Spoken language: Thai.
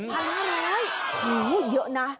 โอ้โหเยอะนะ